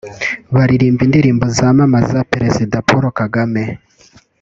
baririmba indirimbo zamamaza Perezida Paul Kagame